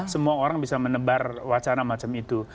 semua orang bisa menebar wacana macam itu